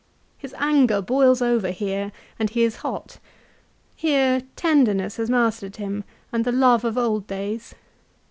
His anger boils over here, and he is hot. Here tenderness has mastered him and the love of old days.